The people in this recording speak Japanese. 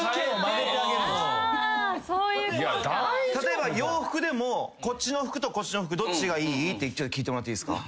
例えば洋服でもこっちの服とこっちの服どっちがいい？って聞いてもらっていいですか？